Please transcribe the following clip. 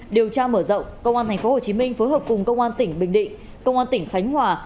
điều tra mở rộng công an tp hcm phối hợp cùng công an tỉnh bình định công an tỉnh khánh hòa